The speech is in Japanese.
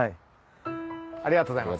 ありがとうございます。